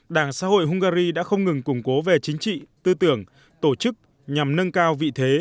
đảng xã hội hungary đã không ngừng củng cố về chính trị tư tưởng tổ chức nhằm nâng cao vị thế